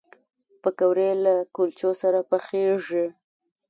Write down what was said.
پکورې له کلچو سره پخېږي